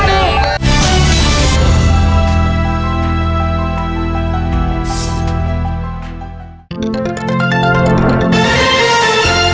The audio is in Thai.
จะได้เงินโบนัสภาระนี้